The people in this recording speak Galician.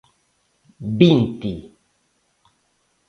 ¡Vinte!